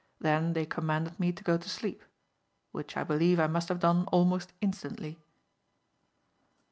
Then they commanded me to go to sleep; which I believe I must have done almost instantly.